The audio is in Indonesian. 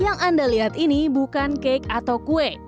yang anda lihat ini bukan cake atau kue